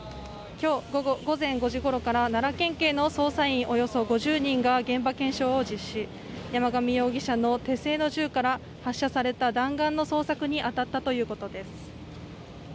今日午後午前５時ごろから奈良県警の捜査員およそ５０人が現場検証を実施山上容疑者の手製の銃から発射された弾丸の捜索に当たったということです